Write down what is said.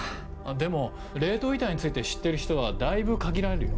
でも冷凍遺体について知ってる人はだいぶ限られるよ。